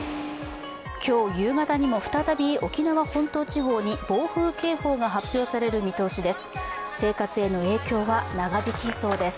今日夕方にも再び沖縄本島地方に暴風警報が発表される見通しです。